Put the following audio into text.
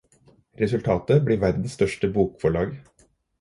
Resultatet blir verdens største bokforlag.